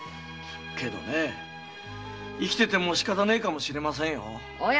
けどね生きていてもしかたねえかもしれませんよ。